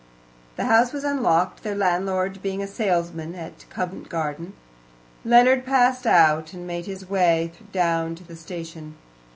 The house was unlocked, their landlord being a salesman at Convent Garden. Leonard passed out and made his way down to the station.